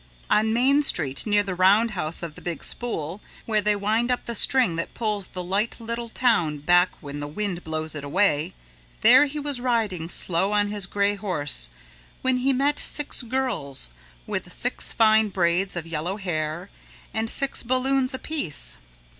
On Main Street near the Roundhouse of the Big Spool, where they wind up the string that pulls the light little town back when the wind blows it away, there he was riding slow on his gray horse when he met six girls with six fine braids of yellow hair and six balloons apiece.